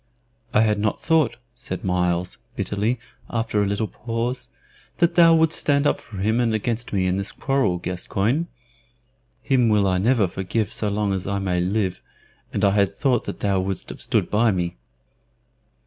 "I had not thought," said Myles, bitterly, after a little pause, "that thou wouldst stand up for him and against me in this quarrel, Gascoyne. Him will I never forgive so long as I may live, and I had thought that thou wouldst have stood by me."